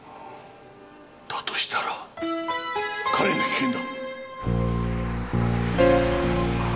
だとしたら彼が危険だ。